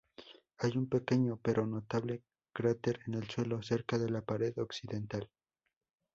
Hay un pequeño, pero notable cráter en el suelo cerca de la pared occidental.